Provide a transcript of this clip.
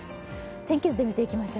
天気図で見ていきましょう。